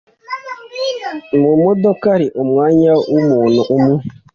Mu modoka hari umwanya wumuntu umwe